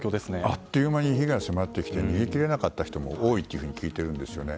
あっという間に火が迫ってきて逃げ切れなかった人も多いと聞いているんですね。